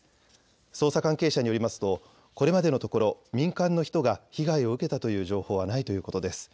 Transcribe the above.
捜査関係者によりますとこれまでのところ民間の人が被害を受けたという情報はないということです。